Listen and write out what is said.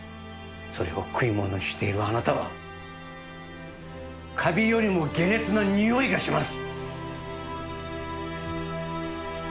それを食い物にしているあなたはカビよりも下劣なニオイがします